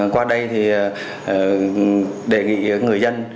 qua đây thì đề nghị người dân